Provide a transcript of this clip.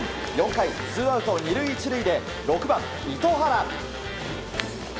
４回、ツーアウト２塁１塁で６番、糸原。